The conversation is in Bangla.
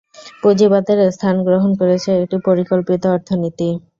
পুঁজিবাদের স্থান গ্রহণ করেছে একটি পরিকল্পিত অর্থনীতি।